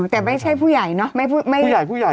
แต่ไม่ใช่ผู้ใหญ่เนอะ